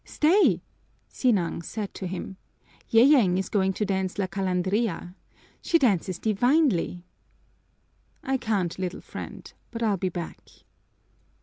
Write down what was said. "Stay!" Sinang said to him. "Yeyeng is going to dance La Calandria. She dances divinely." "I can't, little friend, but I'll be back."